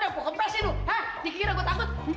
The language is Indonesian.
kepresin lu hah dikira gua takut